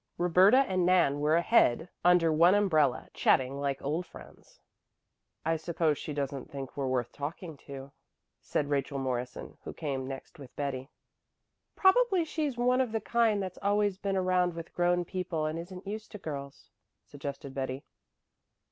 Roberta and Nan were ahead under one umbrella, chatting like old friends. "I suppose she doesn't think we're worth talking to," said Rachel Morrison, who came next with Betty. "Probably she's one of the kind that's always been around with grown people and isn't used to girls," suggested Betty.